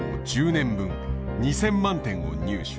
１０年分２，０００万点を入手。